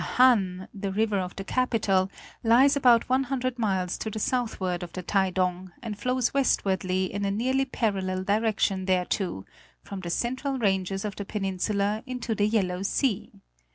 The Han, the river of the capital, lies about one hundred miles to the southward of the Taidong, and flows westwardly in a nearly parallel direction thereto, from the central ranges of the peninsula into the Yellow Sea.